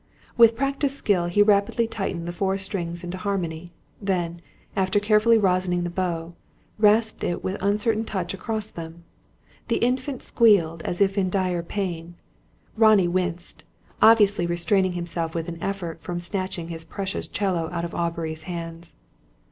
'" With practised skill he rapidly tightened the four strings into harmony; then, after carefully rosining the bow, rasped it with uncertain touch across them. The Infant squealed, as if in dire pain. Ronnie winced, obviously restraining himself with an effort from snatching his precious 'cello out of Aubrey's hands.